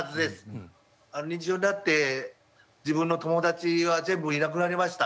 認知症になって自分の友達は全部いなくなりました。